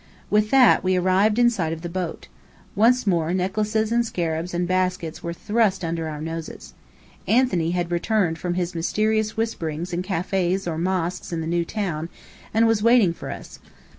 With that, we arrived in sight of the boat. Once more, necklaces and scarabs and baskets were thrust under our noses. Anthony had returned from his mysterious whisperings in cafés or mosques in the new town, and was waiting for us.